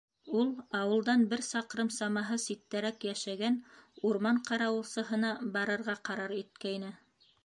Ул ауылдан бер саҡрым самаһы ситтәрәк йәшәгән урман ҡарауылсыһына барырға ҡарар иткәйне.